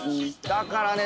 だからね